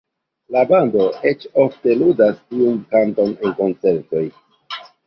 La bando eĉ ofte ludas tiun kanton en koncertoj.